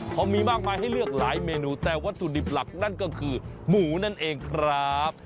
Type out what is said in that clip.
เขามีมากมายให้เลือกหลายเมนูแต่วัตถุดิบหลักนั่นก็คือหมูนั่นเองครับ